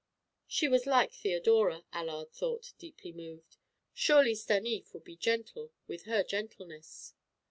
She was like Theodora, Allard thought, deeply moved. Surely Stanief would be gentle with her gentleness.